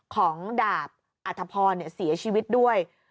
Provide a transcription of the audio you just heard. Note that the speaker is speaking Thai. ของดาบอัธพรเสียชีวิตด้วย